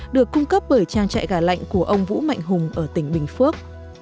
được cung cấp bởi trang trại gà lạnh của ông vũ mạnh hùng ở tỉnh bình phước